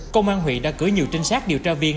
công an huyện đã cử nhiều trinh sát điều tra viên